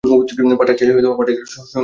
পাঠার ছেলে পাঠাই হয়েছে, শনি শ্রী অকাল।